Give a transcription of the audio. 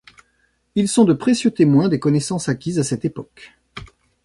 Ils sont de précieux témoins des connaissances acquises à cette époque.